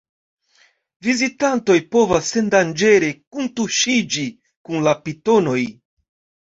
Vizitantoj povas sendanĝere kuntuŝiĝi kun la pitonoj.